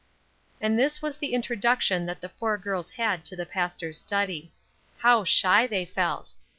And this was the introduction that the four girls had to the pastor's study. How shy they felt!